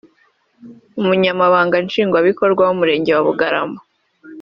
Umunyamabanga Nshingwabikorwa w’Umurenge wa Bugarama